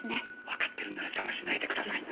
わかってるんなら邪魔しないでください。